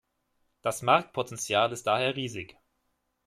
Das Marktpotenzial ist daher riesig.